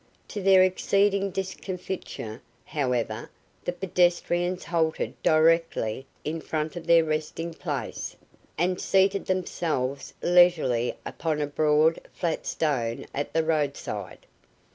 To their exceeding discomfiture, however, the pedestrians halted directly in front of their resting place and seated themselves leisurely upon a broad, flat stone at the roadside.